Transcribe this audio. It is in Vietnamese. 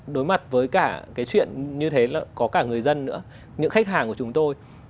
đối mặt với cả cái chuyện như thế là có cả người dân nữa những khách hàng của chúng tôi